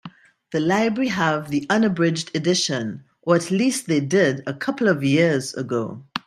The library have the unabridged edition, or at least they did a couple of years ago.